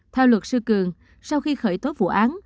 theo luật sư tùng sau khi khởi tốt vụ án